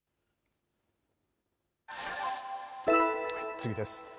次です。